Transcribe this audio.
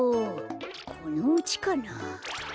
このうちかな？